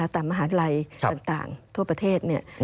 ตามมหาลัยต่างทั่วประเทศ